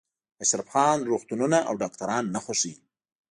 اشرف خان روغتونونه او ډاکټران نه خوښوي